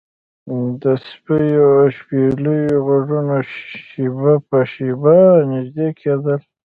د سپیو او شپېلیو غږونه شیبه په شیبه نږدې کیدل